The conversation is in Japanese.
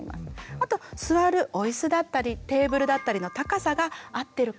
あと座るお椅子だったりテーブルだったりの高さが合ってるかな。